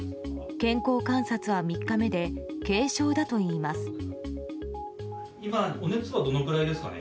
健康観察は３日目で軽症だといいます。